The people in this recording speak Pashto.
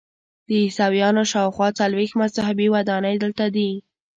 د عیسویانو شاخوا څلویښت مذهبي ودانۍ دلته دي.